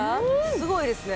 すごいですね。